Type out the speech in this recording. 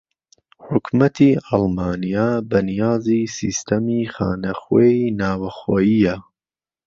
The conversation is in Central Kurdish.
حوکمەتی ئەڵمانیا بەنیازی سیستەمی خانە خوێی ناوەخۆییە